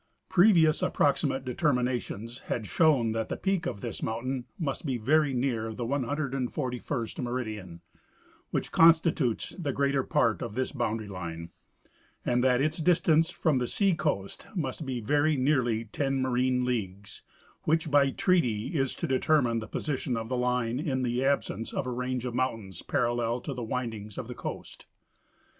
Previous approximate determinations had shown that the peak of this mountain must be very near the 141st meridian, which constitutes the greater part of this boundary line, and that its distance from the seacoast must be very nearly ten marine leagues, which by treaty is to determine the position of the line in the absence of a range of mountains parallel to the windings of the coast.